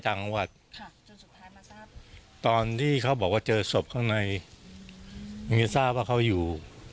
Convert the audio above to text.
ต่างวัดตอนที่เขาบอกว่าเจอศพข้างในมันก็ทราบว่าเขาอยู่